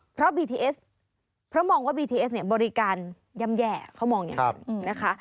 เพราะบีทีเอสเพราะมองว่าบีทีเอสเนี่ยบริการย่ำแย่เขามองอย่างนั้นนะคะ